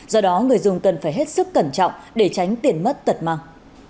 do đó người dùng cần phải hết sức cẩn trọng để tránh tiền mất tật mang